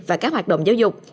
và các hoạt động giáo dục